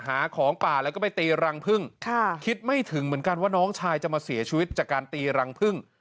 หาของป่าแล้วก็ไปตีรังพึ่งคิดไม่ถึงเหมือนกันว่าน้องชายจะมาเสียชีวิตจากการตีรังพึ่ง